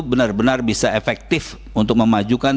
benar benar bisa efektif untuk memajukan